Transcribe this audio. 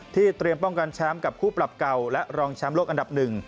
เตรียมป้องกันแชมป์กับคู่ปรับเก่าและรองแชมป์โลกอันดับหนึ่ง